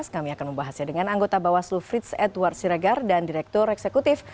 kami akan membahasnya dengan anggota bawaslu frits edward siregar dan direktur eksekutif